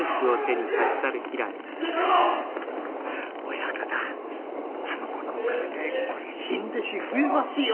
親方あの子のおかげでこれ新弟子増えますよ。